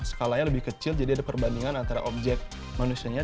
skalanya lebih kecil jadi ada perbandingan antara objek manusianya